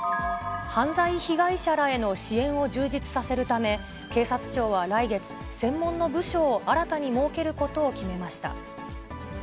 犯罪被害者らへの支援を充実させるため、警察庁は来月、専門の部署を新たに設けることを決めました。